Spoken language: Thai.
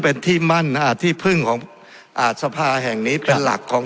เป็นที่มั่นอ่าที่พึ่งของอ่าสภาแห่งนี้เป็นหลักของ